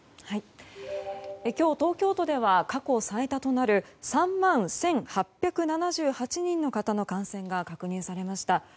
今日、東京都では過去最多となる３万１８７８人の方の感染が確認されました。